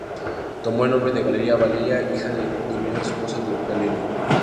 Tomó el nombre de Galeria Valeria, hija de Diocleciano y esposa de Galerio.